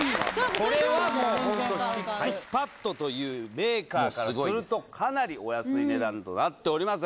これはもうホントＳＩＸＰＡＤというメーカーからするとかなりお安い値段となっておりますよ